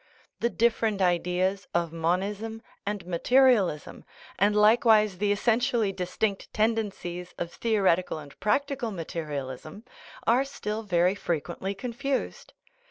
The different ideas of monism and materialism, and likewise the essentially distinct tendencies of theoreti cal and practical materialism, are still very frequently confused.